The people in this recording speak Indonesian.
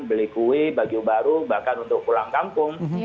beli kue baju baru bahkan untuk pulang kampung